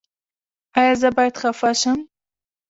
ایا زه باید خفه شم؟